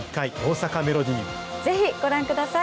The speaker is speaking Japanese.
ぜひ、ご覧ください。